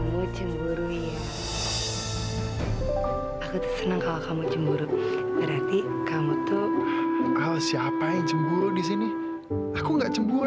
pokoknya kalau kamu sudah petroleum n karen